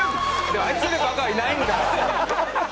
あいつよりバカはいないんだよ。